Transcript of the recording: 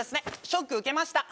ショック受けました